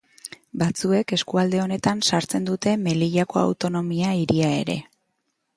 Batzuek eskualde honetan sartzen dute Melillako autonomia hiria ere.